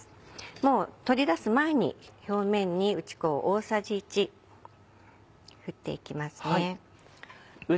もう取り出す前に表面に打ち粉を大さじ１振っていきますね。